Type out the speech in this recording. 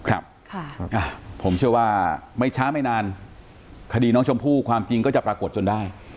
ครับผมเชื่อว่าไม่ช้าไม่นานคดีน้องชมพู่ความจริงก็จะปรากฏจนได้